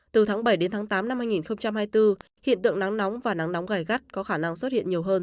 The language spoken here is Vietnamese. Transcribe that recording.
từ tháng bảy đến tháng tám năm hai nghìn hai mươi bốn hiện tượng nắng nóng và nắng nóng gai gắt có khả năng xuất hiện nhiều hơn